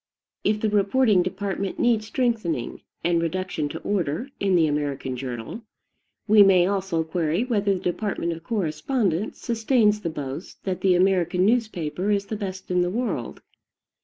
If the reporting department needs strengthening and reduction to order in the American journal, we may also query whether the department of correspondence sustains the boast that the American, newspaper is the best in the world.